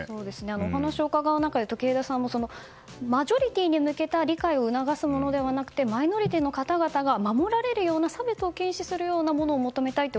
お話を伺う中で時枝さんはマジョリティーに対する理解を求めるのではなくマイノリティーの方々が守られるような差別を禁止する法案になってほしいと。